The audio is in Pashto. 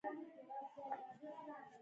سلای فاکس په زړه کې خوشحاله شو او وخندل